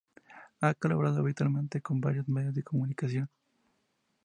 Ha colaborado habitualmente con varios medios de comunicación.